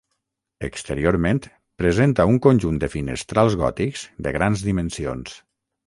Exteriorment presenta un conjunt de finestrals gòtics de grans dimensions.